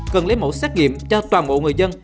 cần lấy mẫu xét nghiệm cho toàn bộ người dân